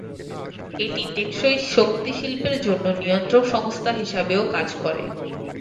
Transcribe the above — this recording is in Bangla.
এটি টেকসই শক্তি শিল্পের জন্য নিয়ন্ত্রক সংস্থা হিসাবেও কাজ করে।